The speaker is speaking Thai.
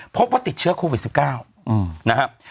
พบว่าติดเชื้อโควิด๑๙นะครับ